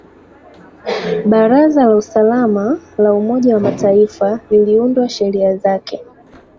baraza la usalama la umoja wa mataifa liliunda sheria zake